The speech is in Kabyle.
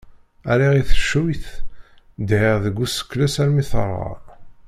Rriɣ i teccuyt, dhiɣ deg usekles armi terɣa.